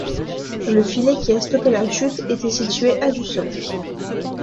Le filet qui a stoppé la chute était situé à du sol.